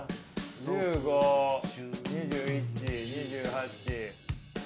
１５２１２８３６。